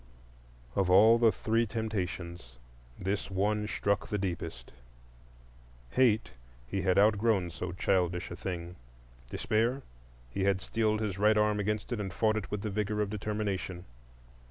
Of all the three temptations, this one struck the deepest. Hate? He had outgrown so childish a thing. Despair? He had steeled his right arm against it, and fought it with the vigor of determination.